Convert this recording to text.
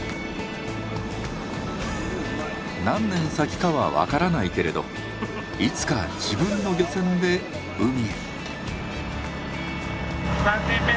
何年先かは分からないけれどいつか自分の漁船で海へ。